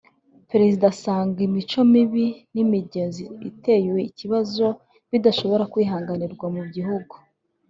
Perezida asanga imico mibi n’imigenzo iteye ikibazo bidashobora kwihanganirwa mu gihugu